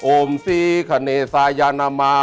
โอมศีขณะสายะนามะ